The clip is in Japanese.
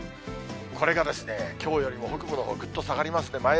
これが、きょうよりも北部のほう、ぐっと下がりますね。